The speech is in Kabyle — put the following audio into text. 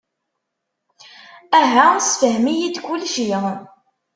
Aha ssefhem-iyi-d kullci.